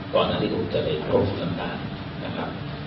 ตอนนั้นที่ผมจะได้โฆษณ์สำนัก